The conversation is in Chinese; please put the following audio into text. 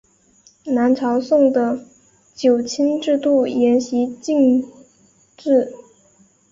南朝宋的九卿制度沿袭晋制。